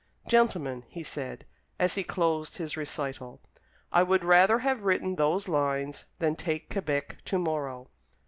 "Gentlemen," he said, as he closed his recital, "I would rather have written those lines than take Quebec to morrow."